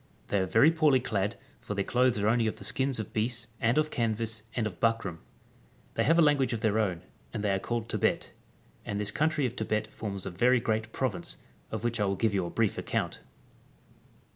They are very poorly clad, for their clothes are only of the skins of beasts, and of canvass, and of buckram.^ They have a lan guage of their own, and they are called Tebet. And this country of Tebet forms a very great province, of which I will give you a brief account.